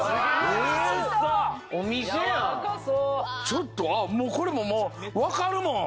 ちょっとあっこれももうわかるもん！